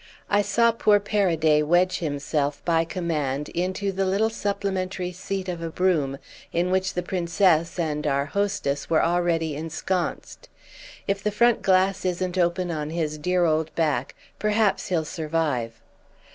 I saw poor Paraday wedge himself, by command, into the little supplementary seat of a brougham in which the Princess and our hostess were already ensconced. If the front glass isn't open on his dear old back perhaps he'll survive.